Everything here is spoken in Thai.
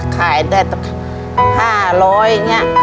ขายได้ละห้าร้อยอย่างนี้